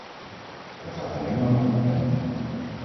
Het gaat alleen maar om die planning.